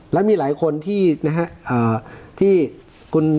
แล้วมีหลายคนที่นะฮะที่คุณ